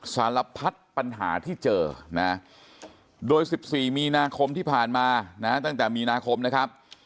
สารพัดปัญหาที่เจอนะโดย๑๔มีนาคมที่ผ่านมานะตั้งแต่มีนาคมนะครับ